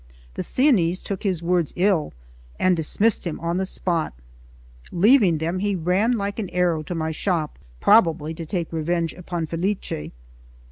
The Sienese took his words ill, and dismissed him on the spot. Leaving them, he ran like an arrow to my shop, probably to take revenge upon Felice.